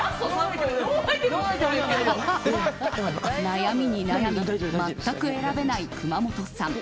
悩みに悩み、全く選べない熊元さん。